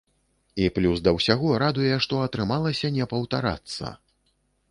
І плюс да ўсяго, радуе, што атрымалася не паўтарацца.